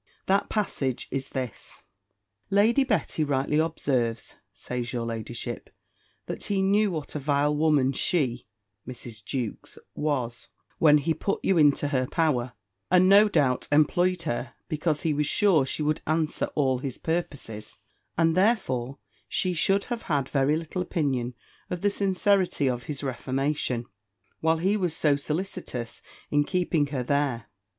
That passage is this; Lady Betty rightly observes, says your ladyship, that he knew what a vile woman she [Mrs. Jewkes] was, when he put you into her power; and no doubt, employed her, because he was sure she would answer all his purposes: and therefore she should have had very little opinion of the sincerity of his reformation, while he was so solicitous in keeping her there.